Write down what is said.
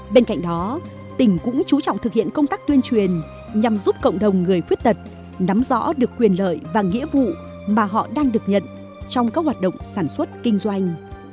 bên cạnh đó tỉnh cũng chú trọng thực hiện công tác tuyên truyền nhằm giúp cộng đồng người khuyết tật nắm rõ được quyền lợi và nghĩa vụ mà họ đang được nhận trong các hoạt động sản xuất kinh doanh